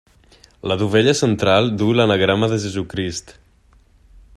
La dovella central duu l'anagrama de Jesucrist.